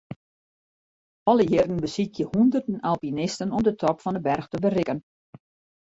Alle jierren besykje hûnderten alpinisten om de top fan 'e berch te berikken.